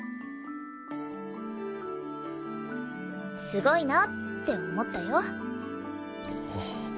すごいなって思ったよ。